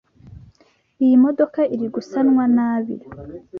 Iyi modoka iri gusanwa nabi.